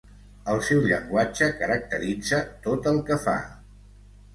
El seu llenguatge caracteritza tot el que fa.